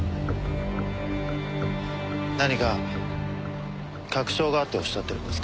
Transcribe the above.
何か確証があっておっしゃってるんですか？